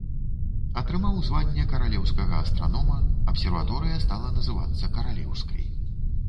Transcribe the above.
Атрымаў званне каралеўскага астранома, абсерваторыя стала называцца каралеўскай.